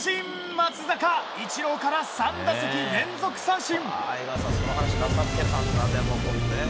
松坂、イチローから３打席連続三振！